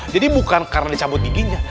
jadi bukan karena dicabut giginya